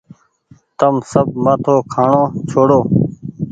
تم سب مآٿو کآڻو ڇوڙو۔